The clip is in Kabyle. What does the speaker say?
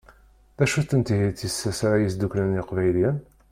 D acu-tent ihi tissas ara yesdukklen Iqbayliyen?